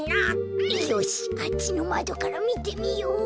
よしあっちのまどからみてみよう。